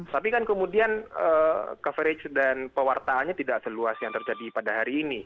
tapi kan kemudian coverage dan pewartaannya tidak seluas yang terjadi pada hari ini